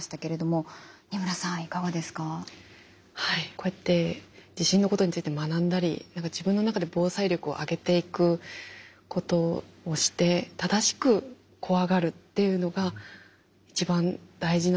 こうやって地震のことについて学んだり自分の中で防災力を上げていくことをして正しく怖がるっていうのが一番大事なのかな。